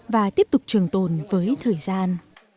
và tiếp tục trường tồn với thời gian